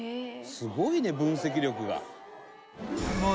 すごいね分析力が。